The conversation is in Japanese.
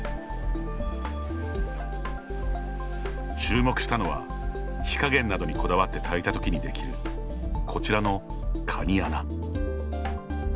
注目したのは火加減などにこだわって炊いた時にできるこちらのカニ穴。